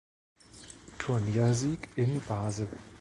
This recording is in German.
Turniersieg in Basel.